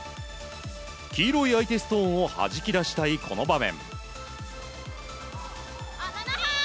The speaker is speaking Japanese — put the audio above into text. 黄色い相手ストーンをはじき出したいこの場面。